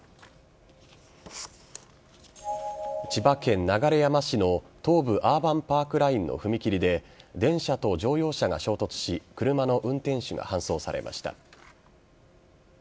千葉県流山市の東武アーバンパークラインの踏切で電車と乗用車が衝突し車の運転手が搬送されました。